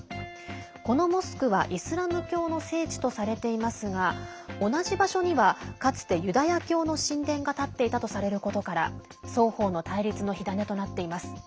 このモスクは、イスラム教の聖地とされていますが同じ場所には、かつてユダヤ教の神殿が建っていたとされることから双方の対立の火種となっています。